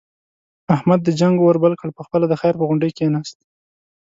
احمد د جنگ اور بل کړ، په خپله د خیر په غونډۍ کېناست.